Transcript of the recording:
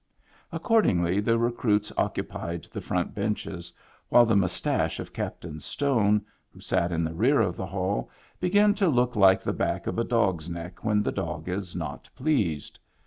Accordingly, the recruits occupied the front benches, while the mustache of Captain Stone, who sat in the rear of the hall, began to look like the back of a dog's neck when the dog is not pleased.